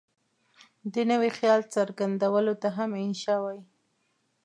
د نوي خیال څرګندولو ته هم انشأ وايي.